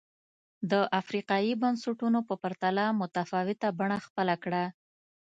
د افریقايي بنسټونو په پرتله متفاوته بڼه خپله کړه.